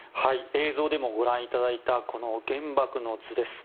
映像でもご覧いただいた「原爆の図」です。